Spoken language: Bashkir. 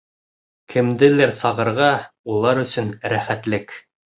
Кемделер сағырға улар өсөн рәхәтлек.